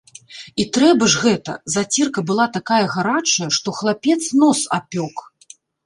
І трэба ж гэта, зацірка была такая гарачая, што хлапец нос апёк.